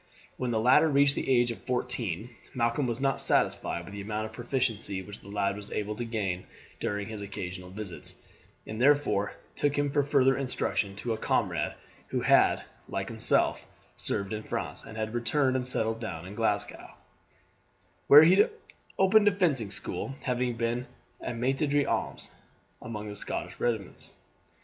When the latter reached the age of fourteen Malcolm was not satisfied with the amount of proficiency which the lad was able to gain during his occasional visits, and therefore took him for further instruction to a comrade who had, like himself, served in France, and had returned and settled down in Glasgow, where he opened a fencing school, having been a maitre d'armes among the Scotch regiments.